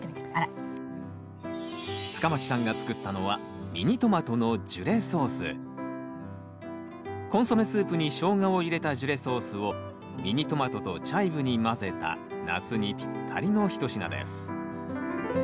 深町さんが作ったのはコンソメスープにショウガを入れたジュレソースをミニトマトとチャイブに混ぜた夏にぴったりの一品です